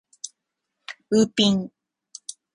ウーピン